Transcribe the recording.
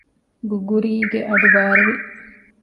ގުގުރީގެ އަޑުބާރުވި